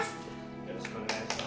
よろしくお願いします。